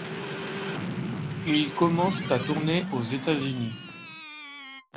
Ils commencent à tourner aux États-Unis.